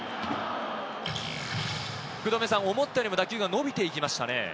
思ったよりも打球が伸びていきましたね。